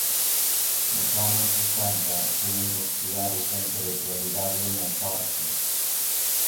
Nos anos sesenta foi un dos piares da intelectualidade de Monforte.